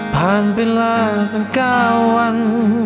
ผ่านเป็นละทั้งเก้าวัน